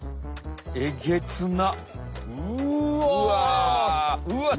うわ。